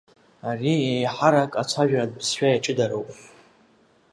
Ари еиҳарак ацәажәаратә бызшәа иаҷыдароуп.